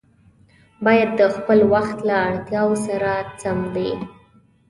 باید د خپل وخت له اړتیاوو سره سم وي.